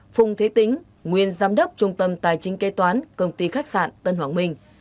phùng thế tính nguyên giám đốc trung tâm tài chính kế toán công ty khách sạn tân hoàng minh